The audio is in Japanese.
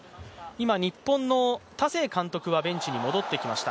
今日本の田勢監督はベンチに戻ってきました。